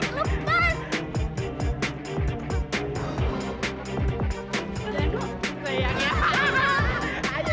kita beneran jadi imam imam